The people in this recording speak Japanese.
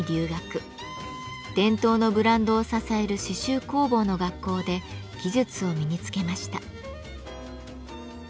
伝統のブランドを支える刺繍工房の学校で技術を身につけました。